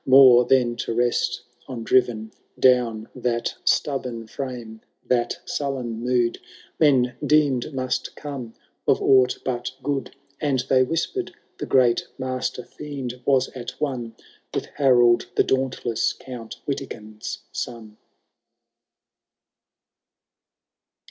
More than to rest on driven down ; That stubborn frame, that sullen mood. Men deemM must come of aught but good ; And they whispered, the great Master Fiend was at one With Harold the Dauntless, Count Witikind's son.